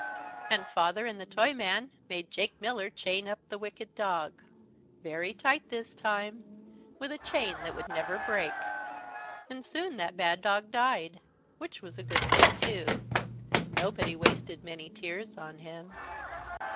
And Father and the Toyman made Jake Miller chain up the wicked dog very tight this time with a chain that would never break. And soon that bad dog died, which was a good thing too. Nobody wasted many tears on him.